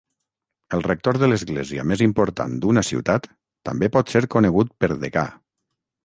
El rector de l'església més important d'una ciutat també pot ser conegut per degà.